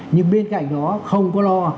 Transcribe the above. nhưng bên cạnh đó không có lo